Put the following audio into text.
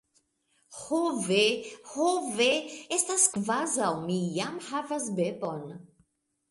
Ho ve, ho ve! Estas kvazaŭ mi jam havas bebon.